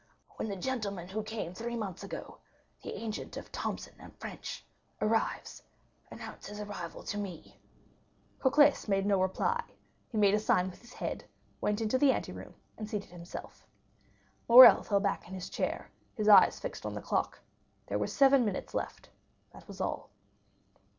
When the gentleman who came three months ago—the agent of Thomson & French—arrives, announce his arrival to me." Cocles made no reply; he made a sign with his head, went into the anteroom, and seated himself. Morrel fell back in his chair, his eyes fixed on the clock; there were seven minutes left, that was all.